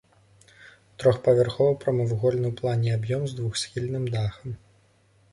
Трохпавярховы прамавугольны ў плане аб'ём з двухсхільным дахам.